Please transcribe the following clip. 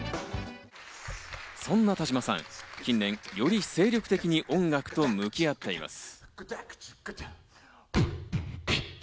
そんな田島さん、近年、より精力的に音楽と向き合っています。